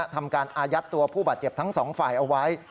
ทำการอายัดตัวผู้บาดเจ็บทั้งสองฝ่ายเอาไว้